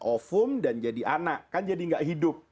ofum dan jadi anak kan jadi gak hidup